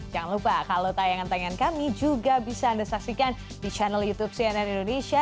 jangan lupa kalau tayangan tayangan kami juga bisa anda saksikan di channel youtube cnn indonesia